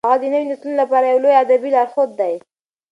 هغه د نوو نسلونو لپاره یو لوی ادبي لارښود دی.